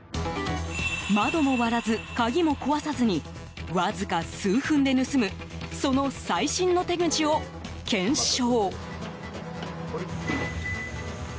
窓も割らず、鍵も壊さずにわずか数分で盗むその最新の手口を検証。